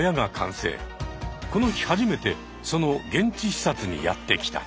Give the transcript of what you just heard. この日初めてその現地視察にやって来た。